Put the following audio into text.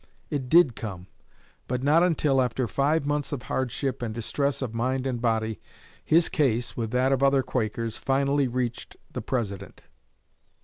It did come, but not until after five months of hardship and distress of mind and body his case, with that of other Quakers, finally reached the President.